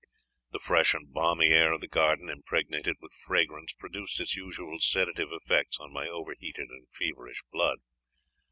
The fresh and balmy air of the garden, impregnated with fragrance, produced its usual sedative effects on my over heated and feverish blood.